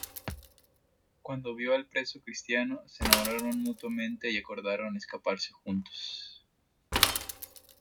Cuando vio al preso cristiano, se enamoraron mutuamente y acordaron escaparse juntos.